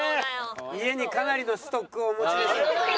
家にかなりのストックをお持ちでしょう。